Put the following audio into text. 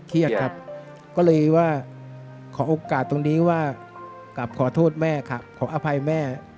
เครียดครับก็เลยว่าขอโอกาสตรงนี้ว่ากลับขอโทษแม่ครับขออภัยแม่